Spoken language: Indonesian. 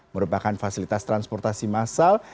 merupakan fasilitas transportasi masal